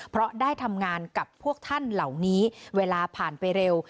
เพราะได้ทำงานกับพวกท่านเหล่านี้เวลาผ่านไปเร็ว